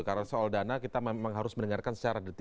karena soal dana kita memang harus mendengarkan secara detik